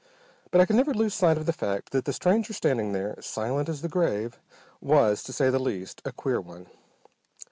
But I could never lose sight of the fact that the stranger standing there, silent as the grave, was, to say the least, a queer one.